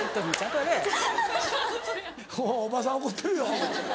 おばさん怒ってるよ。